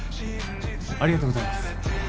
ありがとうございます。